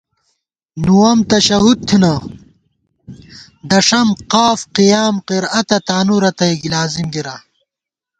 نُووَم تشہُد تھنہ ، دݭم قاف قیام قرأتہ تانُو رتئ لازِم گِرا